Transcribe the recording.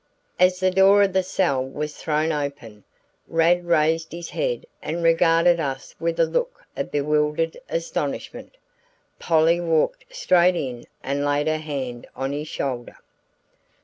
As the door of the cell was thrown open, Rad raised his head and regarded us with a look of bewildered astonishment. Polly walked straight in and laid her hand on his shoulder.